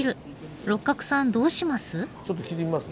六角さんどうします？